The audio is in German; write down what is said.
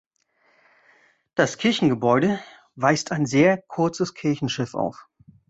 Das Kirchengebäude weist ein sehr kurzes Kirchenschiff auf.